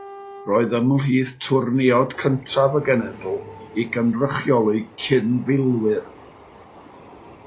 Roedd ymhlith twrneiod cyntaf y genedl i gynrychioli cyn-filwyr.